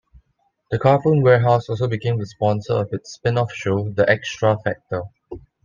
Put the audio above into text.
The Carphone Warehouse also became the sponsor of its spin-off show, "The Xtra Factor".